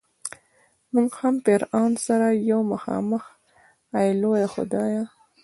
مونږ هم فرعون سره یو مخامخ ای لویه خدایه.